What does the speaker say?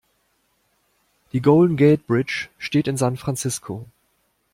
Die Golden Gate Bridge steht in San Francisco.